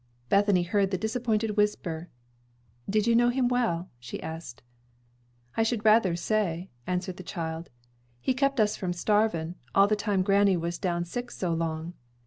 Bethany heard the disappointed whisper. "Did you know him well?" she asked. "I should rather say," answered the child. "He kep' us from starvin', all the time granny was down sick so long."